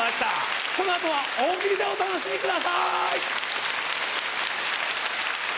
この後は大喜利でお楽しみください！